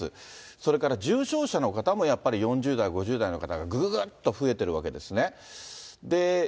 それから重症者の方も、やっぱり４０代５０代の方がぐぐぐっと増えてるわけですね。